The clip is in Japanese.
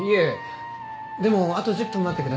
でもあと１０分待ってください。